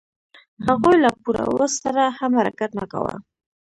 هغوی له پوره وس سره هم حرکت نه کاوه.